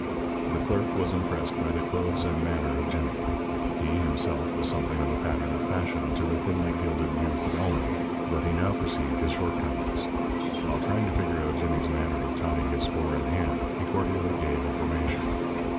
The clerk was impressed by the clothes and manner of Jimmy. He, himself, was something of a pattern of fashion to the thinly gilded youth of Elmore, but he now perceived his shortcomings. While trying to figure out Jimmy's manner of tying his four in hand he cordially gave information.